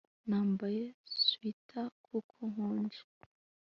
Nambaye swater kuko nkonje